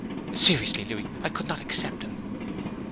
'Seriously, Louis, I could not accept him.'